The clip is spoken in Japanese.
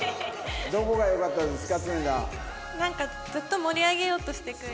なんかずっと盛り上げようとしてくれてて。